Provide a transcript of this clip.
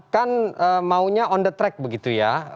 kan maunya on the track begitu ya